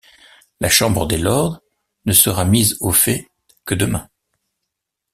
La chambre des lords ne sera mise au fait que demain.